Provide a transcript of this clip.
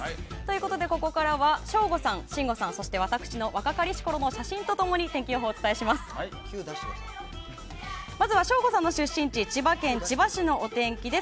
ここからは省吾さん、信五さん私の若かりしころの写真と共に天気予報をお伝えします。